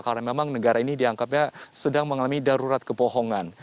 karena memang negara ini dianggapnya sedang mengalami darurat kepohongan